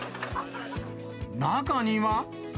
中には。